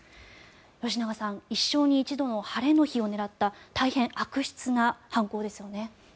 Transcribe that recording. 吉永さん、一生に一度の晴れの日を狙った大変悪質な犯行ですよね。